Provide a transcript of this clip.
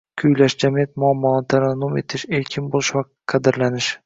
kuylash, jamiyat muammolarini tarannum etish, erkin bo‘lish va qadrlanish